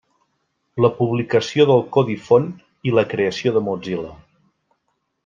La publicació del codi font i la creació de Mozilla.